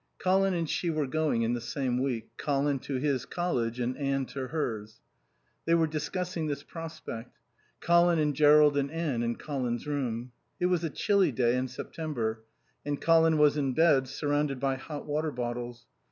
Colin and she were going in the same week, Colin to his college and Anne to hers. They were discussing this prospect. Colin and Jerrold and Anne in Colin's room. It was a chilly day in September and Colin was in bed surrounded by hot water bottles.